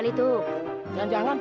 terus ambil awal aye